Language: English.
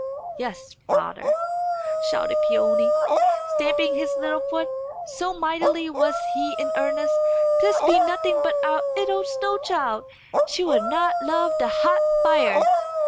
"Yes, father," shouted Peony, stamping his little foot, so mightily was he in earnest, "this be nothing but our 'ittle snow child! She will not love the hot fire!"